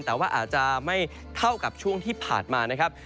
แต่ว่าอาจจะไม่เท่ากับช่วงที่ผ่านมานะครับ